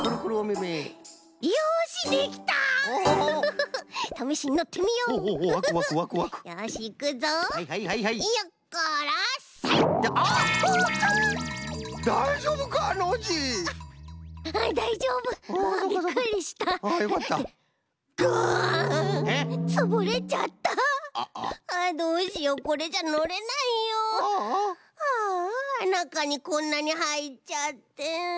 はあなかにこんなにはいっちゃってんっ？